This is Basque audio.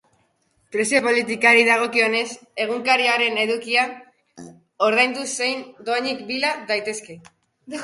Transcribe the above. Prezio politikari dagokionez, egunkariaren edukiak ordainduz zein dohainik bila daitezke.